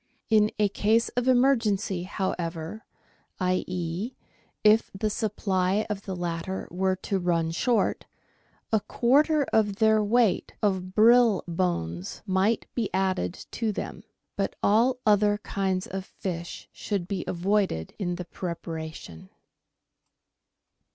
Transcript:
In a case of emergency, however, i.e., if the supply of the latter were to run short, a quarter of their weight of brill bones might be added to them. But all other kinds of fish should be avoided in the preparation.